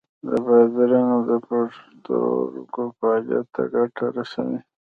د بادرنګ د پښتورګو فعالیت ته ګټه رسوي.